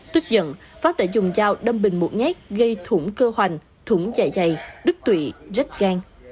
tức giận pháp đã dùng dao đâm bình một nhát gây thủng cơ hoành thủng dài dày đứt tụy rách gan